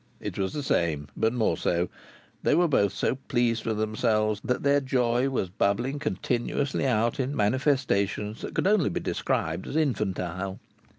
It was the same, but more so. They were both so pleased with themselves that their joy was bubbling continually out in manifestations that could only be described as infantile.